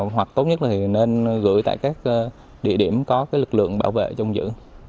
hoặc tốt nhất là nên gửi tại các địa điểm có lực lượng bảo vệ trong giữ